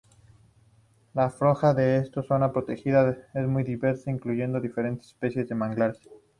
La flora de esta zona protegida es muy diversa, incluyendo diferentes especies de manglares.